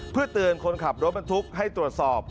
เพื่อเตือนคนขับรถบรรทุกให้ตรวจสอบ